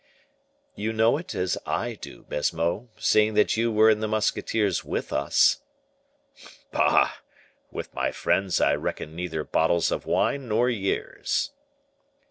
"You know it as I do, Baisemeaux, seeing that you were in the musketeers with us." "Bah! with my friends I reckon neither bottles of wine nor years."